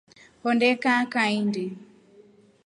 Honde kaa kahindu.